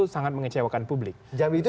sangat mengecewakan publik itu